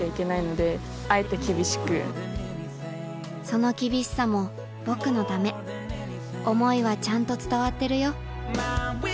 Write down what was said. その厳しさも僕のため思いはちゃんと伝わってるよ